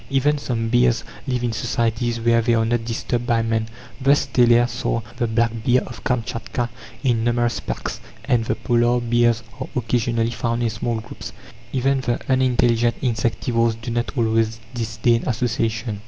Even some bears live in societies where they are not disturbed by man. Thus Steller saw the black bear of Kamtchatka in numerous packs, and the polar bears are occasionally found in small groups. Even the unintelligent insectivores do not always disdain association.